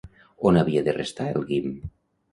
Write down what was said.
On havia de restar el Guim?